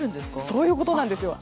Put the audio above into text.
そういうことなです。